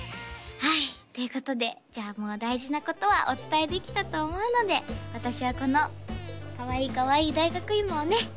はいということでじゃあもう大事なことはお伝えできたと思うので私はこのかわいいかわいい大学いもをね